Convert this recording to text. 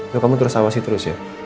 loh kamu terus awasi terus ya